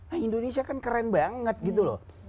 ah indonesia kan keren banget gitu loh